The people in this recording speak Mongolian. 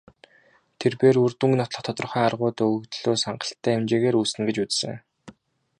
Тэр бээр үр дүнг нотлох тодорхой аргууд нь өгөгдлөөс хангалттай хэмжээгээр үүснэ гэж үзсэн.